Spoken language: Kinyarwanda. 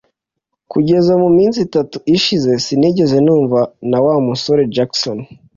Kugeza muminsi itatu ishize, sinigeze numva na Wa musore Jackson